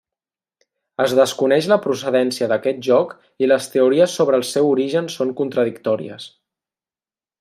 Es desconeix la procedència d'aquest joc i les teories sobre el seu origen són contradictòries.